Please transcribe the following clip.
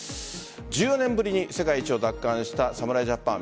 １０年ぶりに世界一を奪還した侍ジャパン。